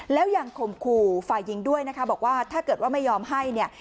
แล้วยังข่มขู่ฝ่ายหญิงด้วยนะคะบอกว่าถ้าเกิดว่าไม่ยอมให้เนี่ย